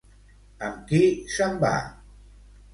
Amb qui se'n va?